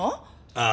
ああ。